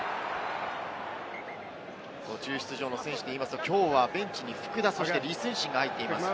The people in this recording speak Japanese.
途中出場の選手でいいますと、きょうはベンチに福田、李承信が入っています。